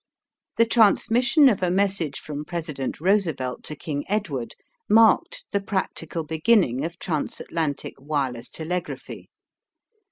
The transmission of a message from President Roosevelt to King Edward marked the practical beginning of trans Atlantic wireless telegraphy.